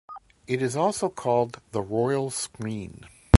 It is also called the "Royal Screen".